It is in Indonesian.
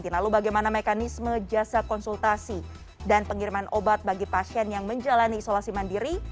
lalu bagaimana mekanisme jasa konsultasi dan pengiriman obat bagi pasien yang menjalani isolasi mandiri